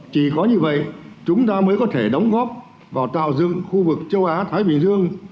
chỉ có như vậy chúng ta mới có thể đóng góp vào tạo dựng khu vực châu á thái bình dương